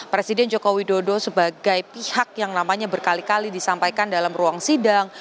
presiden joko widodo sebagai pihak yang namanya berkali kali disampaikan dalam ruang sidang